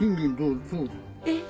えっ。